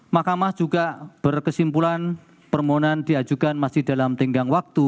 mahkamah juga berkesimpulan permohonan diajukan masih dalam tenggang waktu